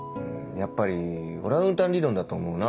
やっぱりオランウータン理論だと思うな。